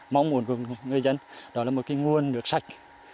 mong muốn của người dân đó là một cái nguồn nước sạch